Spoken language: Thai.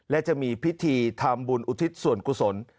และจะมีพิธีทำบุญอุทิศส่วนกุศล